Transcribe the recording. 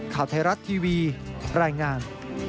ข่าวไทยรัฐทีวีรายงาน